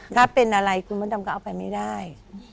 ถ้าเป็นอะไรคุณมดดำก็เอาไปไม่ได้